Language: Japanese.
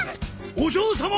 お嬢様！